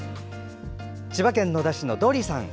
千葉県野田市のどりさん。